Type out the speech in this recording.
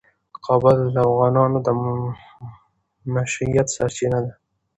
کابل د افغانانو د معیشت سرچینه ده.